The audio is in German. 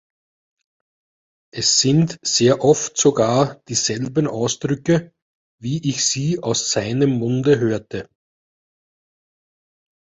Es sind sehr oft sogar dieselben Ausdrücke, wie ich sie aus seinem Munde hörte.